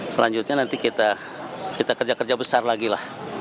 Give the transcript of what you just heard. selanjutnya nanti kita kerja kerja besar lagi lah